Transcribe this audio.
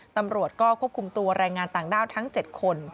ตำรวจก็ควบคุมตัวแรงงานต่างด้าวทั้ง๗คน